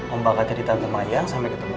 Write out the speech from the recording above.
om bakal jadi tante mayang sampai ketemu